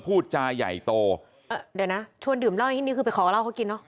พูดจาใหญ่โตเดี๋ยวนะชวนดื่มล้าวอีกทีนี้คือไปขอราวเขากิน